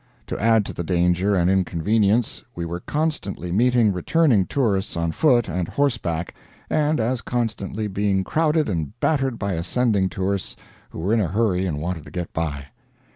To add to the danger and inconvenience, we were constantly meeting returning tourists on foot and horseback, and as constantly being crowded and battered by ascending tourists who were in a hurry and wanted to get by.